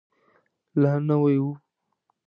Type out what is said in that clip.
لا نوی و.